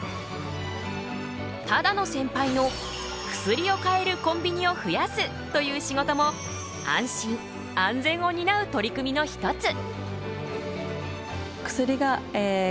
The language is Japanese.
只野センパイの薬を買えるコンビニを増やすという仕事も安心安全を担う取り組みの一つ。